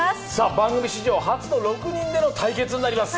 番組史上初の６人での対決になります。